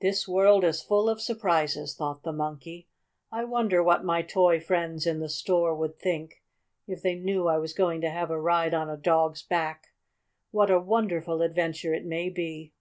"This world is full of surprises," thought the Monkey. "I wonder what my toy friends in the store would think if they knew I was going to have a ride on a dog's back. What a wonderful adventure it may be!"